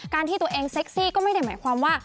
ที่ตัวเองเซ็กซี่ก็ไม่ได้หมายความว่า